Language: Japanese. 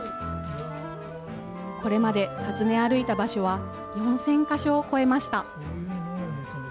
これまで、訪ね歩いた場所は４０００か所を超えました。